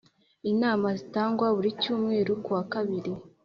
Inama zitangwa buri cyumweru ku wa kabiri